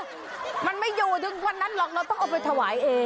มันไม่อยู่ถึงวันนั้นหรอกเราต้องเอาไปถวายเอง